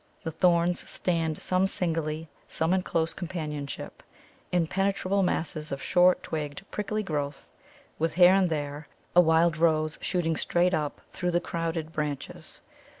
The Thorns stand some singly, some in close companionship, impenetrable masses of short twigged prickly growth, with here and there a wild Rose shooting straight up through the crowded branches.